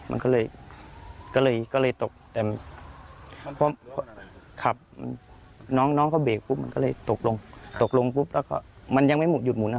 มันก็เลยตกน้องก็เบรกปุ๊บมันก็เลยตกลงตกลงปุ๊บแล้วมันยังไม่หยุดหมุนอ่ะ